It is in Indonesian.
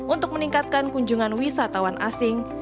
untuk meningkatkan kunjungan wisatawan asing